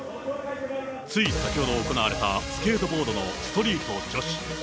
つい先ほど行われたスケートボードのストリート女子。